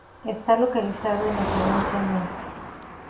Está localizado en la Provincia Norte.